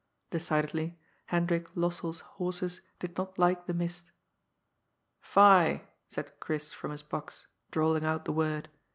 Decidedly, Hendrik LosselPs horses did not like the mist. " Fie I " said Chris from his box, drawling out the word.